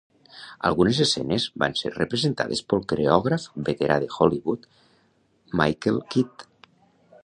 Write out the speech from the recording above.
Algunes escenes van ser representades pel coreògraf veterà de Hollywood Michael Kidd.